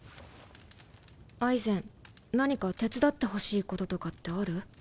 アイゼン何か手伝ってほしいこととかってある？